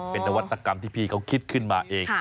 เป็นนวัตกรรมที่พี่เขาคิดขึ้นมาเอง